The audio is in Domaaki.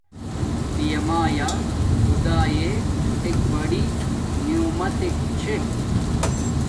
پیا مایا خدایہ ایک بڑی نومتک چھے